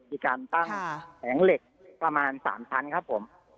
มีการตั้งแผงเหล็กประมาณ๓ชั้นครับผม